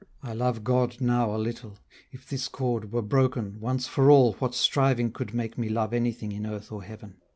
I love God now a little, if this cord Were broken, once for all what striving could Make me love anything in earth or heaven?